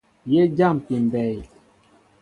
Yé jáámpí mbɛy.